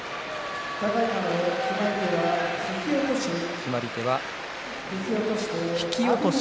決まり手は引き落とし。